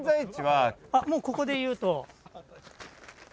もうここで言うと。